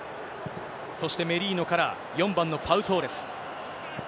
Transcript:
そしてメリーノから、４番のパウ・トーレス。